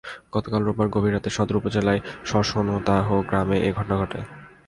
গতকাল রোববার গভীর রাতে সদর উপজেলার শশনোদাহ গ্রামে এ ঘটনা ঘটে।